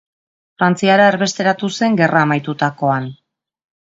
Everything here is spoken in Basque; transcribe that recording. Frantziara erbesteratu zen gerra amaitutakoan.